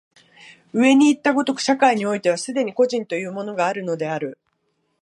上にいった如く、社会においては既に個人というものがあるのである。